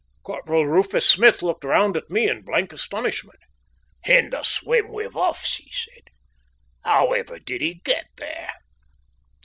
Corporal Rufus Smith looked round at me in blank astonishment. "In the swim with us?" he said. "However did he get there?"